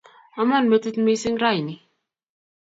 Amon metit missing' raini